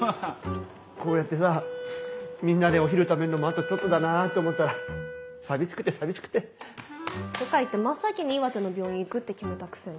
こうやってさみんなでお昼食べんのもあとちょっとだなって思ったら寂しくて寂しくて。とか言って真っ先に岩手の病院行くって決めたくせに。